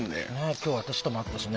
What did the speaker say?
今日私とも会ったしね。